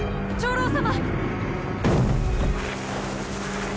長老様！